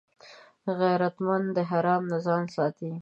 غیرتمند د حرام نه ځان ساتي